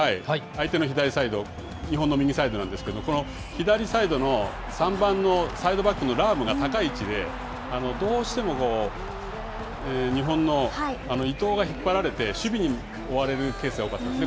相手の左サイド、日本の右サイドなんですけれども、この左サイドの３番のサイドバックのラウムが高い位置で、どうしても日本の伊東が引っ張られて守備に追われるケースが多かったんです。